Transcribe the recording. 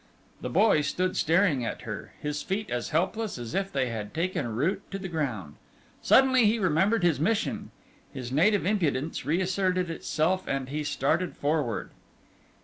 The boy stood staring at her, his feet as helpless as if they had taken root to the ground. Suddenly he remembered his mission. His native impudence reasserted itself, and he started forward.